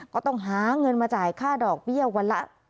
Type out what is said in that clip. ก็ต้องหาเงินมาจ่ายค่าดอกเบี้ยวันละ